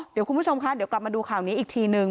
เดี๋ยวคุณผู้ชมคะเดี๋ยวกลับมาดูข่าวนี้อีกทีนึง